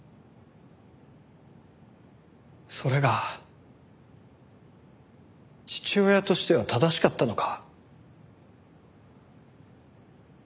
それが父親としては正しかったのか？